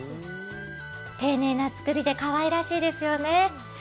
丁寧な作りでかわいらしいですよね。